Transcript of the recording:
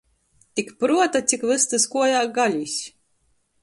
Tik pruota, cik vystys kuojā galis!